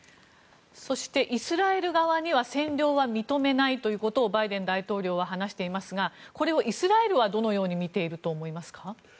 そして、イスラエル側には占領は認めないとバイデン大統領は話していますがこれをイスラエルはどのように見ていると思いますか。